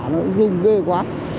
nó rung ghê quá